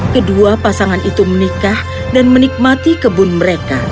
kedua pasangan itu menikah dan menikmati kebun mereka